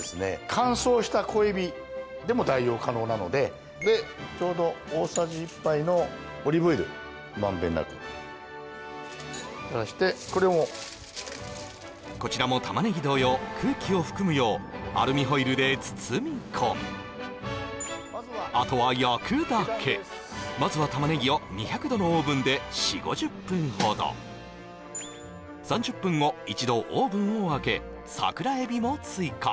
乾燥した小エビでも代用可能なのででちょうど大さじ１杯のオリーブオイル満遍なく垂らしてこれもこちらも玉ねぎ同様空気を含むようアルミホイルで包み込むあとは焼くだけまずは玉ねぎを３０分後一度オーブンを開けサクラエビも追加